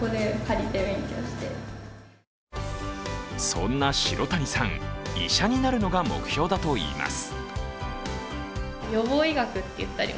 そんな城谷さん、医者になるのが目標だといいます。